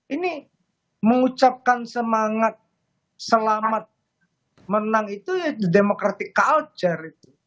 ini mengucapkan semangat selamat menang itu ya demokratik culture itu